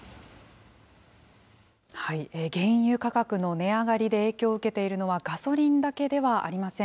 原油価格の値上がりで影響を受けているのは、ガソリンだけではありません。